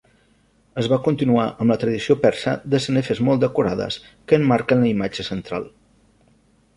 Es va continuar amb la tradició persa de sanefes molt decorades que emmarquen la imatge central.